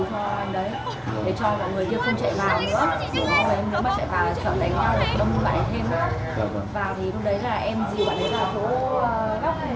không nói nào còn em